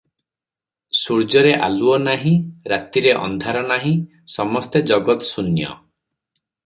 ସୂର୍ଯ୍ୟରେ ଆଲୁଅ ନାହିଁ, ରାତିରେ ଅନ୍ଧାର ନାହିଁ, ସମସ୍ତ ଜଗତ୍ଶୂନ୍ୟ!